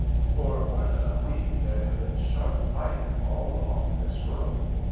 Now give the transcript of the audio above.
For more than a week there had been sharp fighting all along this road.